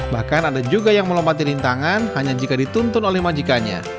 bahkan ada juga yang melompati rintangan hanya jika dituntun oleh majikannya